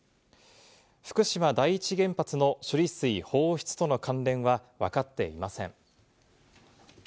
福島第一原発の処理水放出との関連はわかっていません。